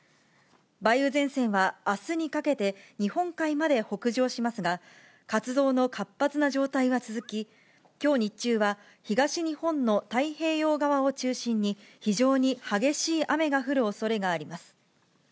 梅雨前線はあすにかけて、日本海まで北上しますが、活動の活発な状態は続き、きょう日中は東日本の太平洋側を中心に、非常に激しい雨が降るおそれがあります。